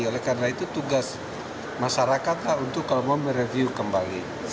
oleh karena itu tugas masyarakatlah untuk kalau mau mereview kembali